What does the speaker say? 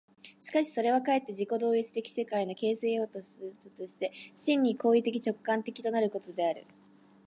しかしそれはかえって自己同一的世界の形成要素として、真に行為的直観的となるということである。